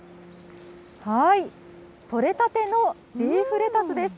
採れたてのリーフレタスです。